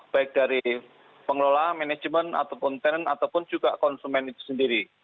baik dari pengelola manajemen ataupun tenan ataupun juga konsumen itu sendiri